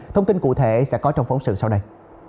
thông tin cụ thể sẽ có trong phóng sự sau đây